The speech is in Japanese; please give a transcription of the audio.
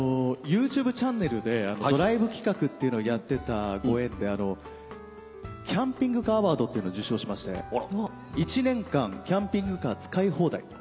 ＹｏｕＴｕｂｅチャンネルでドライブ企画っていうのをやってたご縁でキャンピングカーアワードっていうの受賞しまして１年間キャンピングカー使い放題。